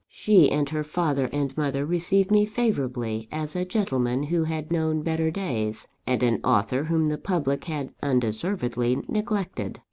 She and her father and mother received me favourably, as a gentleman who had known better days, and an author whom the public had undeservedly neglected.